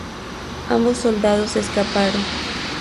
Ambos soldados escaparon.